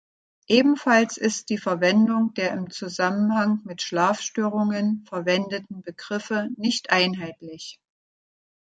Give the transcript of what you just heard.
Ebenfalls ist die Verwendung der im Zusammenhang mit Schlafstörungen verwendeten Begriffe nicht einheitlich.